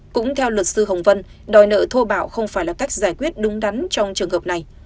cũng theo luật sư hồng vân đòi nợ thô bạo không phải là cách giải quyết đúng đắn trong trường hợp này